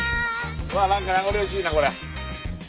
うわ何か名残惜しいなこりゃ。